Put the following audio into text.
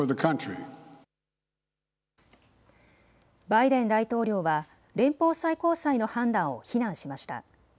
バイデン大統領は連邦最高裁の判断を非難しました。